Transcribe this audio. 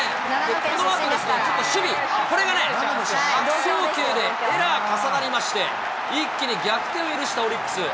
そのあと守備、これがね、悪送球でエラー重なりまして、一気に逆転を許したオリックス。